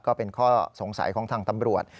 ก็เป็นข้อสงสัยของทางตำรวจ